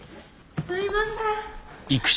すいません。